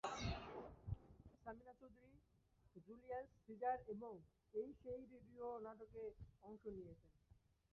Samina Chowdhury "Julius Caesar" এবং "এই সেই" রেডিও নাটকে অংশ নিয়েছেন।